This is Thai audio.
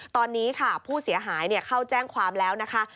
ตอนนี้ค่ะผู้เสียหายเข้าแจ้งความแล้วนะคะ